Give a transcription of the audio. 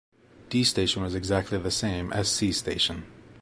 D station was exactly the same as C station.